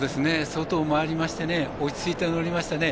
外回りまして落ち着いて乗りましたね。